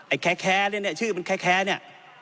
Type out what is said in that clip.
ไอ้แค้แค้เนี้ยเนี้ยชื่อมันแค้แค้เนี้ย